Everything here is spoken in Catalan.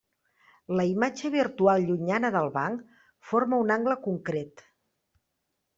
La imatge virtual llunyana del blanc, forma un angle concret.